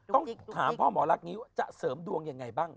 ต้องถามพ่อหมอรักนี้ว่าจะเสริมดวงยังไงบ้าง